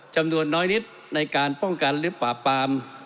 จำนวนน้อยนิดในการป้องกันหรือปราบปาม